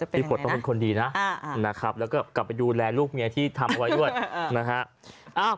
พี่ขวดต้องเป็นคนดีนะแล้วก็กลับไปดูแลลูกเมียที่ทำไว้ด้วยนะครับ